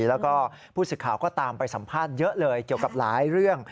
แล้วก็ผู้สื่อข่าวก็ตามไปสัมภาษณ์เยอะเลยเกี่ยวกับหลายเรื่อง